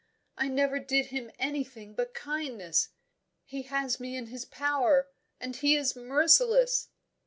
I never did him anything but kindness. He has me in his power, and he is merciless."